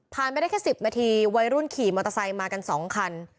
ไปได้แค่๑๐นาทีวัยรุ่นขี่มอเตอร์ไซค์มากัน๒คัน